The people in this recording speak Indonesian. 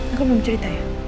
aku belum cerita ya